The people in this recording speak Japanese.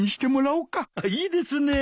いいですねえ。